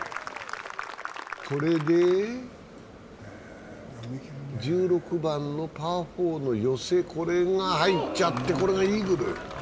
これで１６番のパー４の寄せ、これが入っちゃって、これでイーグル。